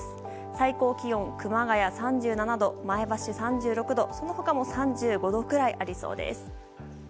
最高気温は熊谷３７度、前橋３６度その他も３５度くらいありそうです。